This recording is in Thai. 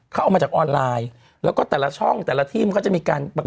เขาเอามาจากออนไลน์แล้วก็แต่ละช่องแต่ละที่มันก็จะมีการแบบ